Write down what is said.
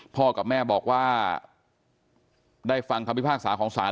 พ่อกับแม่บอกว่าได้ฟังคำพิพากษาของศาล